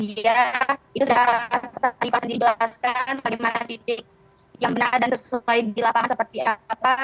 itu sudah seperti yang tadi pak sudah dijelaskan bagaimana titik yang benar dan tersesuai di lapangan seperti apa